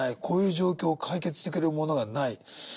こういう状況解決してくれるものがない。